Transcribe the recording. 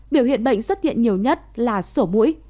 biểu hiện bệnh xuất hiện nhiều nhất là sổ mũi